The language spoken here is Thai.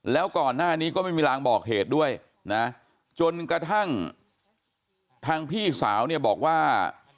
แล้วก่อนหน้านี้ก็ไม่มีรางบอกเหตุด้วยนะจนกระทั่งทางพี่สาวเนี่ยบอกว่า